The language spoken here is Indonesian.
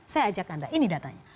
saya ajak anda ini datanya